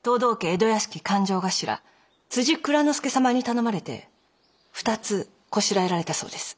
江戸屋敷勘定頭辻蔵之助様に頼まれて２つこしらえられたそうです。